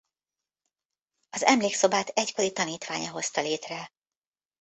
Az Emlékszobát egykori tanítványa hozta létre.